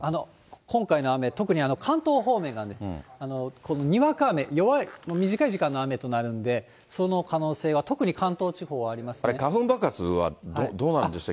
今回の雨、特に関東方面がにわか雨、弱い、短い時間の雨となるんで、その可能性が、あれ、花粉爆発はどうなるんでしたっけ？